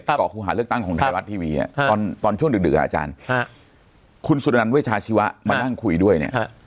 เกาะครูหาเลือกตั้งของไทยรัฐทีวีตอนช่วงดึกอาจารย์คุณสุดนันเวชาชีวะมานั่งคุยด้วยเนี่ย